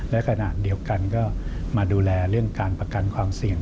และขณะเดียวกันก็มาดูแลเรื่องการประกันความเสี่ยง